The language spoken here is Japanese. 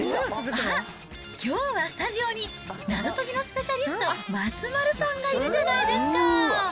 あっ、きょうはスタジオに、謎解きのスペシャリスト、松丸さんがいるじゃないですか。